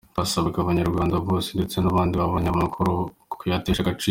Twasabaga abanyarwanda bose ndetse n’abandi babonye aya makuru kuyatesha agaciro”.